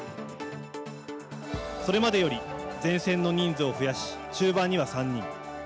それまでより前線の人数を増やし中盤には３人。